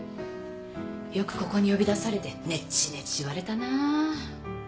よくここに呼び出されてネチネチ言われたなぁ。